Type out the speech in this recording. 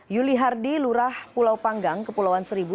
yuli hardi lurah pulau panggang kepulauan seribu